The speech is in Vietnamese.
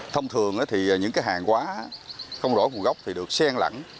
thông thường thì những cái hàng hóa không rõ nguồn gốc thì được sen lẳng